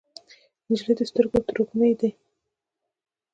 نجلۍ د سترګو تروږمۍ ده.